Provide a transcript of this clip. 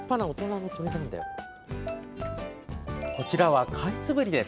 これはカイツブリです。